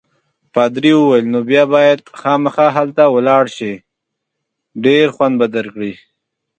پادري وویل: نو بیا باید خامخا هلته ولاړ شې، ډېر خوند به درکړي.